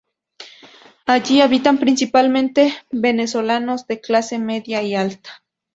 Allí habitan principalmente venezolanos de clase media y alta.